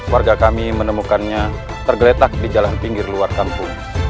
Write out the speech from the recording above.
warga kami menemukannya tergeletak di jalan pinggir luar kampung